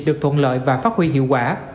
được thuận lợi và phát huy hiệu quả